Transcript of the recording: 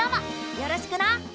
よろしくな！